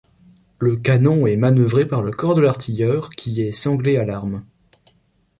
Le canon est manœuvré par le corps de l'artilleur, qui est sanglé à l'arme.